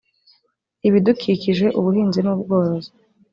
ibidukikije ubuhinzi n ubworozi